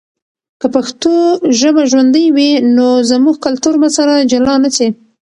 که پښتو ژبه ژوندی وي، نو زموږ کلتور به سره جلا نه سي.